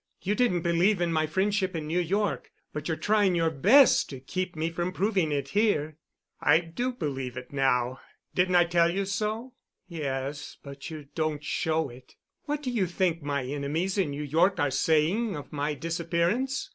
You didn't believe in my friendship in New York, but you're trying your best to keep me from proving it here." "I do believe it now. Didn't I tell you so?" "Yes, but you don't show it. What do you think my enemies in New York are saying of my disappearance?